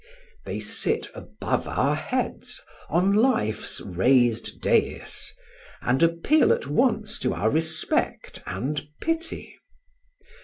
They sit above our heads, on life's raised dais, and appeal at once to our respect and pity.